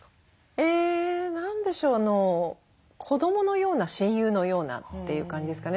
え何でしょう子どものような親友のようなっていう感じですかね。